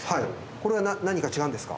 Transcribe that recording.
これは何か違うんですか？